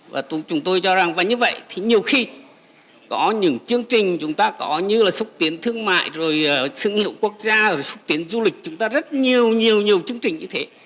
và chúng tôi cho rằng và như vậy thì nhiều khi có những chương trình chúng ta có như là xúc tiến thương mại rồi thương hiệu quốc gia rồi xúc tiến du lịch chúng ta rất nhiều nhiều nhiều chương trình như thế